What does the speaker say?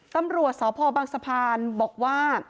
ตำรวจสพบังสะพานบอกว่า